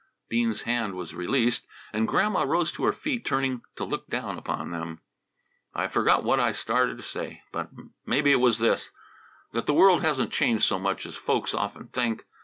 Bean's hand was released, and Grandma rose to her feet, turning to look down upon them. "I forgot what I started to say, but maybe it was this, that the world hasn't changed so much as folks often think.